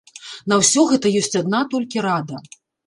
На ўсё гэта ёсць адна толькі рада.